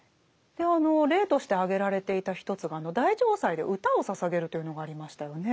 で例として挙げられていた一つが大嘗祭で歌を捧げるというのがありましたよね。